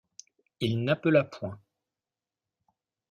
Il n’appela point.